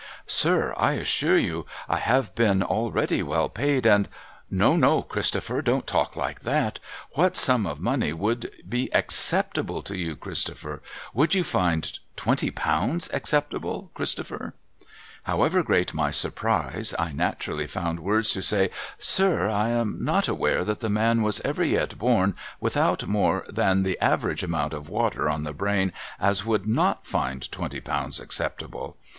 ' Sir, I assure you, I have been already well paid, and '* No, no, Christopher ! Don't talk like that ! ^^llat sum of money would be acceptable to you, Christopher ? Would you find twenty pounds acceptable, Christopher ?' However great my surprise, I naturally found w^ords to say, ' Sir, I am not aware that the man was ever yet born without more than the average amount of water on the brain as would 7Wt find twenty pounds acceptable.